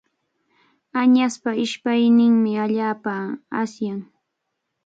Añaspa ishpayninmi allaapa asyan.